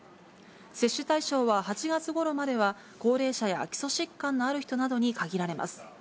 接種対象は８月ごろまでは、高齢者や基礎疾患のある人などに限られます。